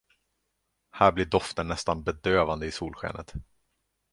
Här blir doften nästan bedövande i solskenet.